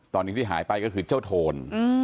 ตอนนี้ที่หายไปก็คือเจ้าโทน